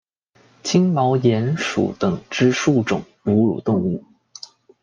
金毛鼹属等之数种哺乳动物。